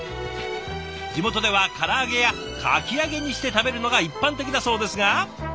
地元ではから揚げやかき揚げにして食べるのが一般的だそうですが。